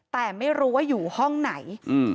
แต่ไม่รู้ว่าอยู่ห้องไหน